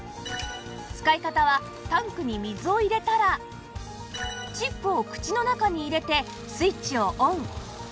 使い方はタンクに水を入れたらチップを口の中に入れてスイッチをオン